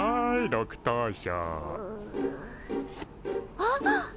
あっ！